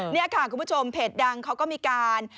นี่ค่ะคุณผู้ชมเพจดังเขาก็มีการ